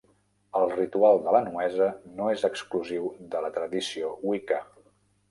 El ritual de la nuesa no és exclusiu de la tradició Wicca.